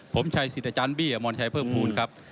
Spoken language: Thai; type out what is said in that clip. ผมชัยสิทธิ์อาจารย์บี้อมรชัยเพิ่มภูมิครับ